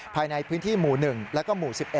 ภายในพื้นที่หมู่๑แล้วก็หมู่๑๑